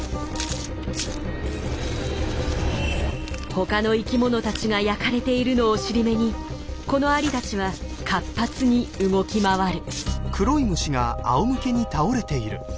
他の生きものたちが焼かれているのを尻目にこのアリたちは活発に動き回る。